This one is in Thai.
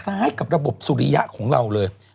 คล้ายกับระบบสุริยะของเราเลย